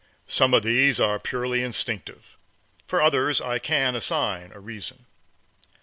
Some of these are purely instinctive, for others I can assign a reason.